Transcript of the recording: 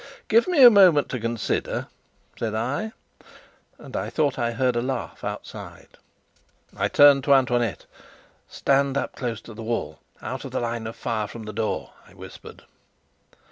"Give me a minute to consider," said I; and I thought I heard a laugh outside. I turned to Antoinette. "Stand up close to the wall, out of the line of fire from the door," I whispered.